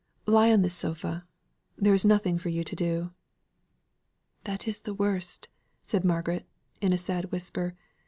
Lie on this sofa there is nothing for you to do." "That is the worst," said Margaret, in a sad whisper.